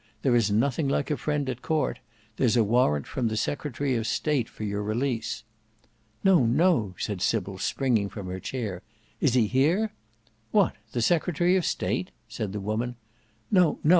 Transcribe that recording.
There is nothing like a friend at court; there's a warrant from the Secretary of State for your release." "No, no," said Sybil springing from her chair. "Is he here?" "What the Secretary of State!" said the woman. "No, no!